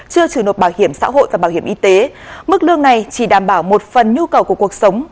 chưa chủ nộp bảo hiểm xã hội và bảo hiểm y tế mức lương này chỉ đảm bảo một phần nhu cầu của cuộc sống